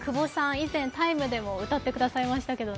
以前「ＴＩＭＥ，」でも歌ってくれましたけど